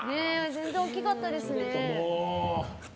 全然大きかったですね。